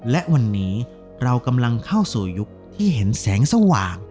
และวันนี้เรากำลังเข้าสู่ยุคที่เห็นแสงสว่าง